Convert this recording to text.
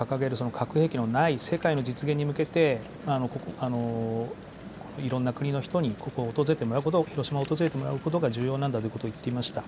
核兵器のない世界の実現に向けていろんな国の人にここを訪れてもらうこと、広島を訪れてもらうことが重要なんだと言っていました。